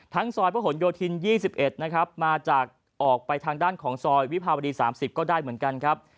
ซอยพระหลโยธิน๒๑นะครับมาจากออกไปทางด้านของซอยวิภาวดี๓๐ก็ได้เหมือนกันครับ